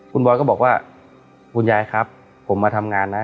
คุณบอยก็บอกว่าคุณยายครับผมมาทำงานนะ